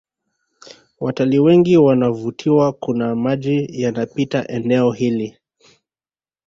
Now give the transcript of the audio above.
Watalii wengi wanavutiwa kuna maji yanapita eneo hili